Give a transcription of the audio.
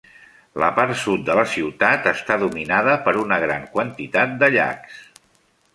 La part sud de la ciutat està dominada per una gran quantitat de llacs.